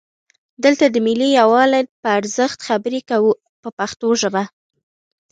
دلته د ملي یووالي په ارزښت خبرې کوو په پښتو ژبه.